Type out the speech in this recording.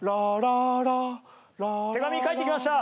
手紙書いてきました。